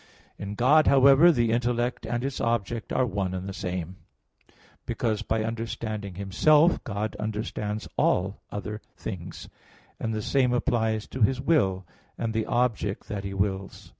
In God, however, the intellect and its object are one and the same; because by understanding Himself, God understands all other things; and the same applies to His will and the object that He wills.